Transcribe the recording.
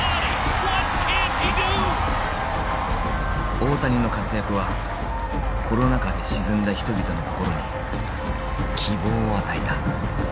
大谷の活躍はコロナ禍で沈んだ人々の心に希望を与えた。